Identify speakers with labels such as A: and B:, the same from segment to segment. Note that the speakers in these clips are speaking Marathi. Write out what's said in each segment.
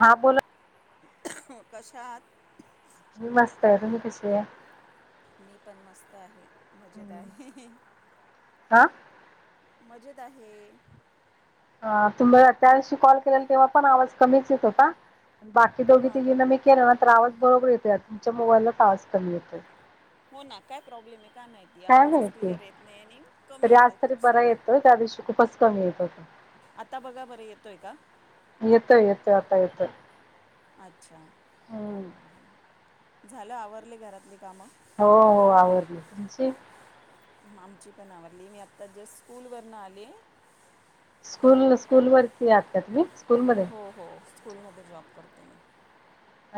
A: हा बोला,
B: [unintelligible] कशा आहात?
A: मी मस्त! आहे, तुम्ही कशी आहे?
B: मी पण मस्त! आहे मजेत आहे.
A: हा
B: मजेत आहे.
A: अ तुम्ही त्यादिवशी कॉल केलेला, तेव्हा पण आवाज कमीच येत होता? बाकी दोघी
B: हां
A: तिघीना मी केलं ना तर, आवाज बरोबर येतो तुमच्या मोबाईललाचं आवाज कमी येतोय.
B: हो ना, काय प्रॉब्लेम आहे काय माहिती
A: काय
B: आवाजच
A: माहिती
B: क्लिअर येत नाही आणि कमी
A: तरी, आज
B: येतो
A: तरी
B: खूप
A: बरा
B: सारा
A: येतोय त्या दिवशी खूपच कमी येत होता.
B: आता बघा बरं येतोय का?
A: येतोय येतोय आत्ता येतोय.
B: अच्छा!
A: हम.
B: झालं आवरली घरातली कामं?
A: हो हो, आवरली तुमची?
B: आमची पण आवरली, मी आत्ता जस्ट स्कूल वरनं आले.
A: स्कूल -स्कूल वरती आता तुम्ही? स्कूलमध्ये
B: हो हो, स्कूलमध्ये जॉब करते मी.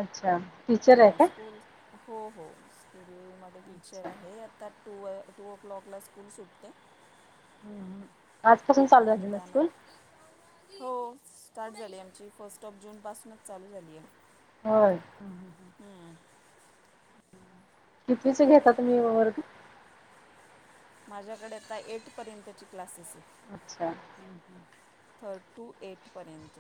A: अच्छा! टीचर आहे
B: हा
A: का
B: स्कूल हो हो, स्कूलमध्ये टीचर
A: अच्छा
B: आहे आता टू ए टू ओ क्लॉकला स्कूल सुटते.
A: हम हम.
B: आणि त्यांना हो स्टार्ट झाली आहे, आमची फर्स्ट ऑफ जूनपासूनच चालू झाली आहे.
A: होय. कितविचे घेता तुम्ही वर्ग?
B: माझ्याकडे आता एट पर्यंतची क्लासेस आहेत.
A: अच्छा! हम ह.
B: एटपर्यंत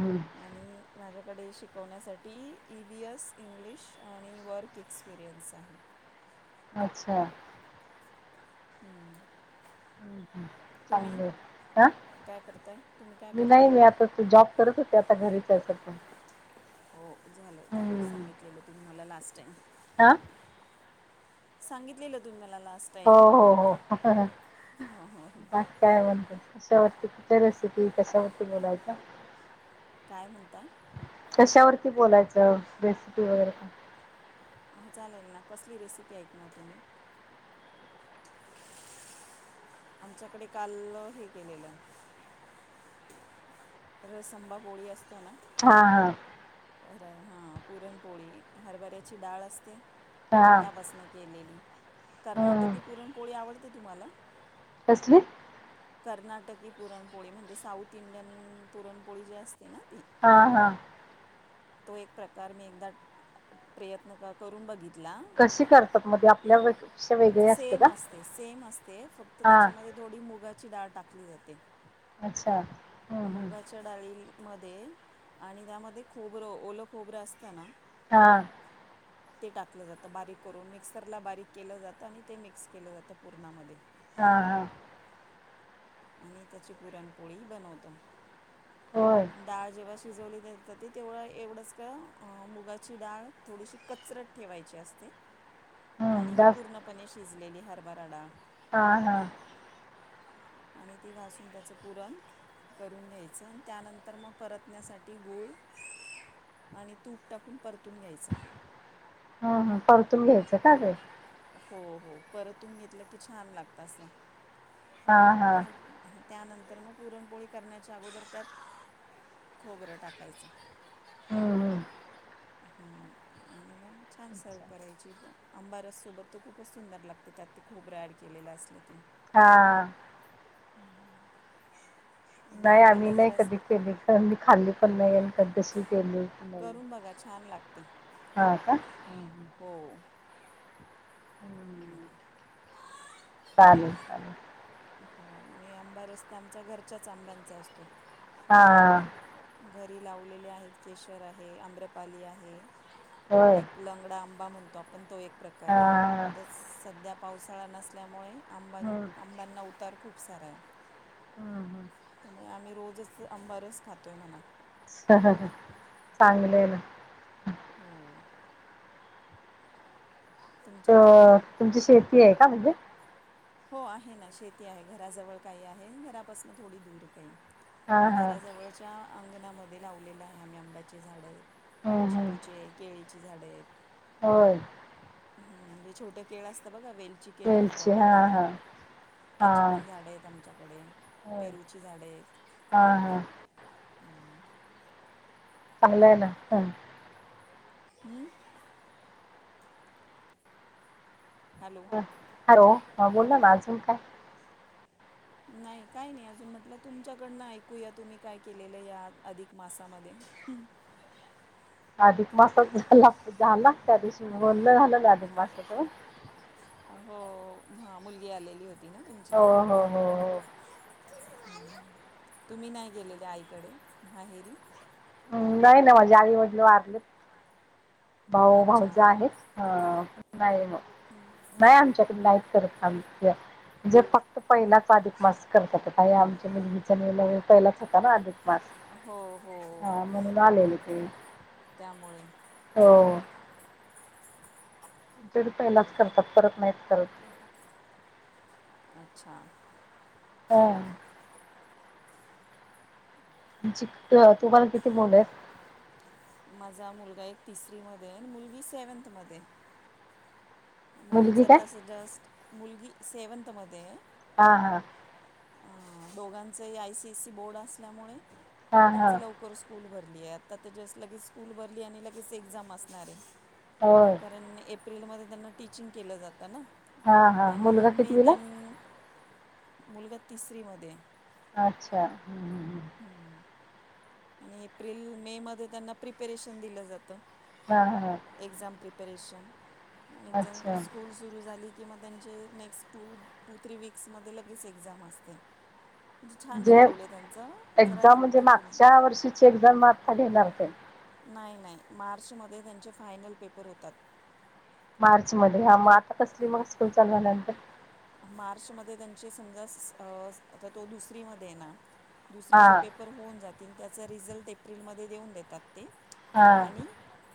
A: हम्म
B: आणि माझ्या कडे शिकवण्यासाठी ई बी एस इंग्लिश आणि वर्क एक्सपिरियन्स आहे. [unintelligible]
A: अच्छा! हम हम,
B: तुम्ही
A: चांगल ये आ
B: काय करताय तुम्ही काय
A: मी नाही
B: करताय
A: मी आता त जॉब करत होते, आता घरीच आहे सध्या
B: हो झालंय, तर सांगितलेलं तुम्ही मला लास्ट टाईम.
A: आ
B: सांगितलेलं तुम्ही म
A: हो हो हो.
B: हो हो हो.
A: बाकी काय म्हणता? कशावरती? कुठ रेसिपी कशावरती बोलायच्या?
B: काय म्हणताय
A: कशावरती बोलायचं? रेसिपी वगैरे का?
B: अ चालेल ना. कसली रेसिपी ऐकणार तुम्ही? आमच्याकडे काल हे केलेलं. रसआंबा पोळी असते ना?
A: हा.
B: तर हां. पुरणपोळी, हरभऱ्याची डाळ असते
A: हा
B: त्यापासनं केलेली.
A: हम्म
B: कर्नाटकी पुरणपोळी आवडते तुम्हाला?
A: कसली?
B: कर्नाटकी पुरणपोळी म्हणजे, साऊथ इंडियन पुरणपोळी जी असते ना ती
A: हा, हा.
B: तो एक प्रकार मी एकदा प्रयत्न करून बघितला.
A: कशी करतात? मध्येआपल्याेक्षा वेगळे असते का?
B: सेम सेम असते फक्त
A: हा.
B: त्याच्यामध्ये थोडी मुगाची डाळ टाकली जाते.
A: अच्छा! हम्म हम्म
B: मुगाच्या डाळी मधे आणि त्यामध्ये खोबरं, ओलं खोबरं असतना?
A: हा.
B: ते टाकलं जातं बारीक करून मिक्सरला बारीक केलं जातं, आणि ते मिक्स केल जातं पूरणा मध्ये.
A: हा हा.
B: आणि त्याची पुरणपोळी बनवतो,
A: होय
B: डाळ जेव्हा शिजवली ज जाते तेवढं एवढंच, का मुगाची डाळ थोडीशी कचरट ठेवायची असते. आणि
A: हम्म
B: ही
A: जास्त
B: पूर्णपणे शिजलेली हरभरा डाळ
A: हा, हा.
B: आणि ते घासून, त्याच पुरण करून घ्यायचं आणि त्यानंतर मग परतण्यासाठी गूळ आणि तूप टाकून परतून घ्यायच.
A: हम हम परतून घ्यायचं का ते?
B: हो, हो, परतून घेतलं की छान लागत असं
A: हा हा
B: मग त्यानंतर तर मग पुरणपोळी करण्याच्या अगोदर त्यात, खोबरं टाकायचं.
A: हम्म हम्म
B: हम्म. आणि ब छान सर्व
A: अच्छा
B: करायची, आंबा रससोबत तो खूपच सुंदर लागते, त्यात ते खोबर ॲड केलेलं असलं की
A: हा.
B: हम्म, हम्.
A: नाही, आम्ही नाही कधी केली,, मी खाल्ली पण नाही कधी, तशी केली पण नही.
B: करून बघा छान लागते
A: हा का? हम् ह.
B: हो
A: हम्, चालेल चालेल.
B: हो, आणि आंबा रस् तर आमच्या घरच्याच आंब्यांचा असतो.
A: हा
B: घरी लावलेले आहेत, केशर आहे, आम्रपाली आहे,
A: होय
B: एक लंगडा आंबा म्हणतो आपण, तो एक
A: हा
B: प्रकारे,
A: हा
B: सध्या पावसाळा नसल्यामुळे आंबा
A: हम्म
B: उतार खूप सारा आहे.
A: हम, हम.
B: आणि आम्ही रोजच आंबा रस खातोय म्हना
A: चांगलं आहे ना.
B: हो.
A: अ
B: तुमच्याकडे
A: तुमची शेती आहे का? म्हणजे
B: हो आहे, ना शेती आहे, घराजवळ काही आहे, घरापासन थोडी दूर काही.
A: हा हा
B: घराजवळच्या अंगणामध्ये लावलेलं आहे आम्ही आंब्याची झाडे
A: हम्म हम्म
B: चिकूचे, केळीची झाडे आहेत.
A: होय.
B: हम, म्हणजे छोटं केळ असतं बघा, वेलची केळ म्हणतो
A: वेलची
B: आपण
A: हा
B: त्याला.
A: हा हा
B: त्याची पण झाडं आहेत आमच्याकडे,,
A: होय
B: पेरूची झाडं आहेत
A: हा हा
B: हम्म.
A: चांगलं य ना.
B: हम्म. Hello
A: hello? म बोल ना मग अजून काय?
B: नाही,, काही नाही,, अजून म्हटलं तुमच्याकडनं ऐकूया,, तुम्ही काय केलेलं या अधिक मासामध्ये हम.
A: अधिक मासाच झाल. त्या दिवशी बोलण झालं ना अधिक मासाच?
B: हो -मुलगी आलेली होती. ना तुमची
A: हो हो हो हो.
B: तुम्ही नाही गेलेल्या आईकडे माहेरी?
A: हम्. नाही ना माझ्या आईवडिल वारलेत. भाऊ
B: अच्छा
A: भाऊज आहेत? नाही आमच्याकडं नाहीत करत आम्ही. जे फक्त पहिलाच अधिक मास करतात. का हे आमच्या मुलगीचा पहिलाच होता ना अधिक- मास
B: हो हो.
A: हा म्हणून आलेले ते
B: त्यामुळे.
A: हो. दीड पहिलाच करतात परत नाहीत करत.
B: अच्छा.
A: हा. तुम्हाला किती मुलं आहेत?
B: माझा मुलगा एक तिसरी मध्येए मुलगी सेव्हन्थ मध्येए. मुलीच
A: मुलगी काय
B: तस जस्ट मुलगी सेव्हनथ मध्ये.
A: हा हा.
B: अ. दोघांचही I C S C board असल्यामुळे
A: हा हा
B: त्यांच लवकर स्कूल भरत. आता तर जस्ट स्कूल भरली आणि लगेच एक्झाम असणार आहे.
A: होय
B: कारण एप्रिल- एप्रिलमध्ये त्यांना टीचिंग केलं जातं ना?
A: हा हा मुलगा
B: आणि मे
A: कितवीला आहे?
B: त्यां मुलगा तिसरी मध्ये आहे.
A: अच्छा. हम्म, हम्म.
B: आणि एप्रिल मे मध्ये त्यांना प्रिपरेशन दिलं जातं.
A: हा हा
B: एक्झाम प्रिपरेशन. आणि
A: अच्छा
B: स्कूल सुरू झाली- किंवा त्यांचे नेक्स्ट टू टू थ्री वीक्समध्ये लगेच एक्झाम असते. म्हणजे छान
A: म्हणजे
B: शेड्युल आहे त्यांचं. जरा
A: एक्झाम म्हणजे,
B: हेक्टिक नाही
A: मागच्या वर्षीची एक्झाम आता घेणार काय?
B: नाही नाही मार्चमध्ये त्यांचे फायनल पेपर होतात.
A: मार्च मध्ये हा. मग आता कसली मग स्कूल चालू झाल्यानंतर?
B: मार्च मध्ये त्यांची समजा तो, आता दुसरीमध्ये आहे ना?
A: हा
B: दुसरीचे पेपर होऊन जातील. त्याचा रिझल्ट एप्रिलमध्ये देऊन देतात.
A: हा
B: आणि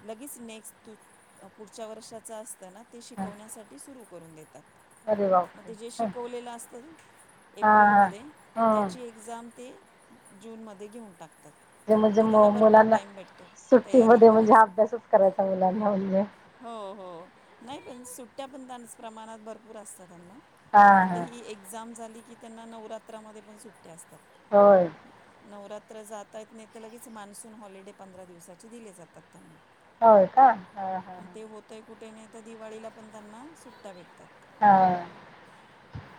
B: लगेच नेक्ट पुढच्या वर्षाचा- असत ना, ते
A: हा
B: शिकवण्यासाठी सुरू करून देतात.
A: अरे
B: मग
A: बापरे
B: जे शिकवलेलं असतं ना
A: हा हा
B: एप्रिलमध्ये?
A: हम्म
B: त्याची एक्झाम ते- जून मध्ये घेऊन टाकतात.
A: ते म्हणजे,
B: त्यांना भरपूर
A: मुलांना
B: टाईम भेटतो तयारी
A: सुट्टीमध्ये म्हणजे
B: करण्यासाठी
A: अभ्यासच करायचा मुलांना म्हणजे.
B: हो हो. नाही पण सुट्या पण त्यांच प्रमाणात भरपूर असतात त्यांना.
A: हा
B: आता
A: हा
B: ही एक्झाम झाली कि त्यांना नवरात्रामध्ये पण सुट्या असतात.
A: होय.
B: नवरात्र जात आहेत नाही तर, लगेच मान्सून हॉलिडे पंधरा दिवसाचे दिले जातात त्यांना.
A: होय का? ह ह.
B: ते होतं आहे कुठे नाही तर
A: हा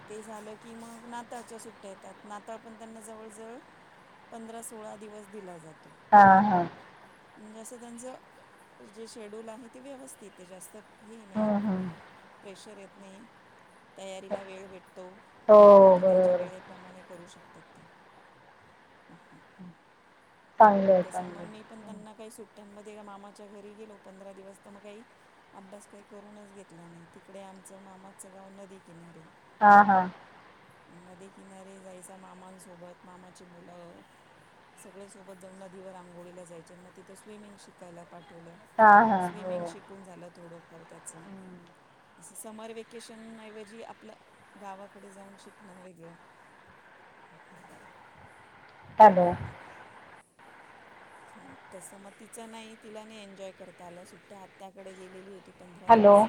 B: ते झालं की मग नाताळच्या सुट्या येतात नाताळला पण त्यांना जवळ जवळ पंधरा सोळा दिवस दिला जातो
A: हा हा
B: म्हणजे असं त्यांचं जे शेड्यूल आहे ते व्यवस्थित आहे जास्त हे नाही
A: हम्म हम्म
B: प्रेशर येत नाही तयारीला वेळ भेटतो
A: हो
B: त्यांच्या त्यांच्या
A: बरोबर आहे.
B: वेळेप्रमाणे करू शकतात ह ह
A: चांगलंय चांगलंय
B: टमध्ये मामाच्या घरी गेलो पंधरा दिवस तर मग काही अभ्यास काही करूनच घेतला नाही तिकडे आमचं मामाचं गाव नदी किनारीे
A: हा हा
B: नदी किनारे जायच मामांसोबत मामाची मुलं सगळेसोबत जऊन नधीवर आंघोळीला जायच्यां मग तिथं स्विमिंग शिकायला पाठवलं
A: हा हा
B: स्विमिंग
A: हो.
B: शिकून झालं थोडंफार त्याचं असं समर वेकेशन ऐवजी आपलं गावाकडे जाऊन शिकणं वेगळं [unintelligible]
A: हॅल्लो
B: तस मग तिचं नाही तिला नाही एन्जॉय करता आल्या सुट्ट्या आत्याकडे गेलेली होती पंधरा
A: हॅलो
B: दिवस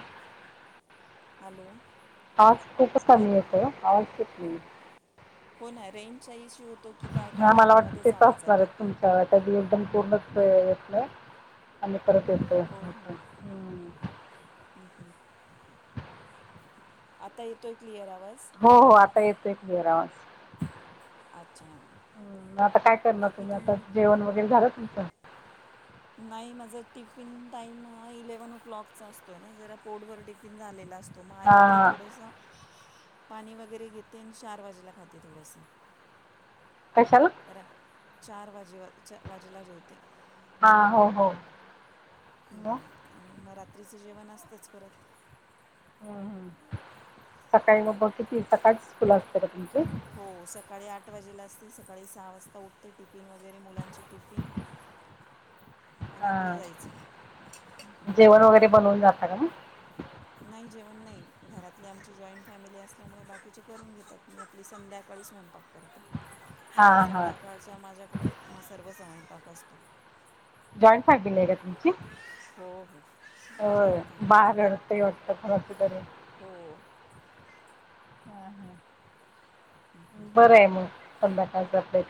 B: हॅलो
A: आवाज खूपच कमी
B: येत
A: येतोय ओ आवाजाच येत नाही
B: हो ना रेंज इशु
A: ह मला वाटत तेच असणार आहेत
B: आपला
A: तुमच्या त्या एकदम पूर्ण घेतलं आणि परत येत
B: हो हो हं, हं. आता येतोय क्लिअर आवाज
A: हो हो आता येतोय क्लिअर आवाज
B: अच्छा
A: ह आता काय करणार तुम्ही आता जेवण वगैरे झालंत नाही
B: नाही माझा टिफिन टाइम हा इलेव्हन ओ क्लॉकचा असतो ना जरा पोर्टवरर टिफिन झालेला असतो त मालिक ह
A: हा
B: थोडासा पाणी वगैरे घेते आणि चार वाजेला खाते थोडस
A: कशाला?
B: चार वाजेला जेवते
A: हा हो हो
B: हम्म. आणि मग रात्रीचं जेवण असतंच परत
A: हम्म हम् सकाळी मग मग किती सकाळच स् फुल असते र तुमची
B: हो सकाळी आठ वाजेला असते सकाळी सहा वाजता उठते टिफिन वगैरे मुलांचे टिफिन [unintelligible] आणि
A: हा
B: आपलं जायचं
A: जेवण वगैरे बनवून जात का ना मग
B: नाही जेवण नाही घरातली आमची जॉईंट फॅमिली असल्यामुळे बाकीचे करून घेतात मी आपली संध्याकाळ ते स्वयंपाक करत
A: हा हा
B: संध्याकाळच्या माझ्याकडे म सर्व स्वयंपाक असतो
A: जॉईंट फॅगमिली आहे का तुमची
B: हो हो
A: होय
B: जॉईंट
A: बाळ
B: फॅमिलीमध्ये राहता
A: रडतंय वाटतं कोणाचं तरी
B: हो [unintelligible]
A: हा हा बरं आहे मग संद्या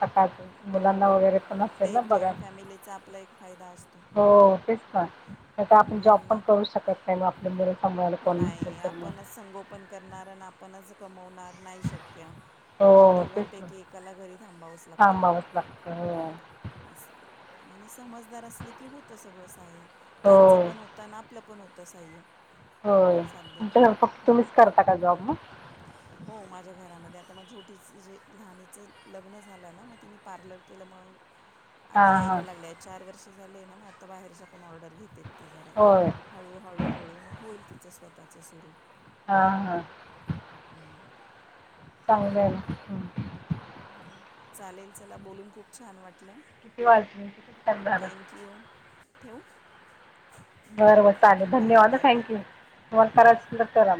A: सकाळ मुलांना
B: हो
A: वगैरे पण असेल
B: ते
A: ना
B: एक
A: बघा
B: जॉईंट फॅमिलीचा आपला एक फायदा असतो
A: हो तेच काण आता आपण जॉब पण
B: मुलांना
A: करू शकत नाही आपल्या मुल सांभळायला कोण न असल तर
B: आपण कमणार नाही शक्य दोघांपैकी एकाला घरी थांबावंच लागतं
A: थांबावच
B: मग
A: लागतं.
B: असं आणि समजदार असल की होतं सगळंच.
A: हो
B: त्यांचं
A: हो
B: पण होतं आणि आपलं पण होतं साह्य.
A: होय तर फक्त तुम्हीच करता का जॉब मग.
B: त मग छोटीच जे झालंच हाय लग्न झालं ना मग तिने पार्लर केलं मग, ! आता
A: हां हां
B: यायला लागलेय चार वर्ष झाले ना मग आता बाहेरच्या पण ऑर्डर. त घरा
A: होय
B: हळू हळू हळूग होईल तिचं स्वतःच स्वरूप.
A: हा हा.
B: [unintelligible]
A: चांगलय मग हम.
B: चालेल चला बोलून खूप छान वाटल.
A: किती वाजले टाइम झालं.
B: थँक्यू ठेवू.
A: बर बर चालेल
B: बाय
A: धन्यवाद
B: बाय
A: थँक्यू
B: बाय
A: तुम्हाला करायचे असेल तर करा.